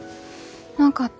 何かあった？